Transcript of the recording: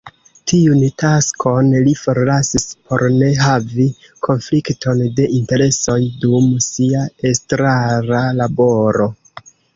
Tiun taskon li forlasis por ne havi konflikton de interesoj dum sia estrara laboro.